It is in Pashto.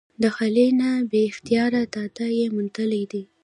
د خلي نه بې اختياره داد ئې موندلے دے ۔